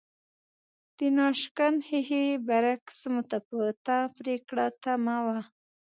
د ناشکن ښیښې برعکس متفاوته پرېکړه تمه وه